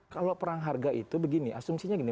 kalau perang harga itu begini asumsinya gini